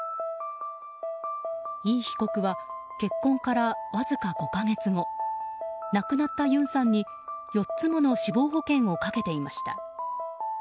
イ被告は結婚からわずか５か月後亡くなったユンさんに４つもの死亡保険をかけていました。